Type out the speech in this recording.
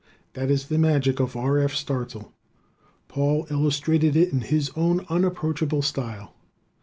That is the magic of R. F. Starzl! Paul illustrated it in his own unapproachable style.